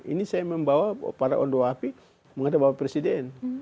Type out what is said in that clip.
ini saya membawa para ondo hafi menghadap bapak presiden